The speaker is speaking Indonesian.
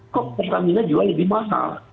kok pertamina jual lebih mahal